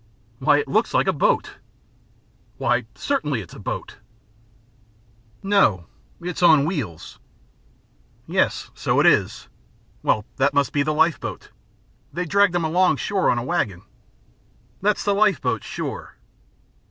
"Why it looks like a boat." "Why, certainly it's a boat." "No, it's on wheels." "Yes, so it is. Well, that must be the life boat. They drag them along shore on a wagon." "That's the life boat, sure."